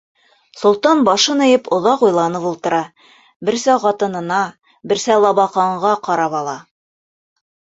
Солтан, башын эйеп, оҙаҡ уйланып ултыра, берсә ҡатынына, берсә Лабаҡанға ҡарап ала.